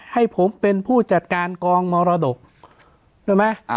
ให้ผมเป็นผู้จัดการกองมรดกด้วยไหม